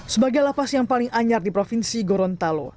sebagai lapas yang paling anyar di provinsi gorontalo